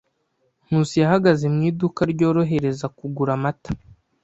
Nkusi yahagaze mu iduka ryorohereza kugura amata.